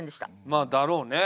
まあだろうね。